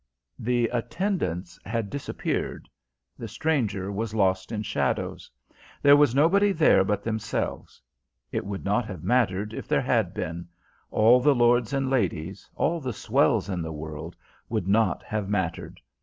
The attendants had disappeared, the stranger was lost in shadows. There was nobody there but themselves: it would not have mattered if there had been: all the lords and ladies, all the swells in the world, would not have mattered.